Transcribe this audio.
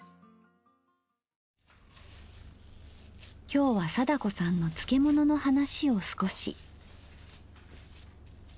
今日は貞子さんの漬物の話を少し。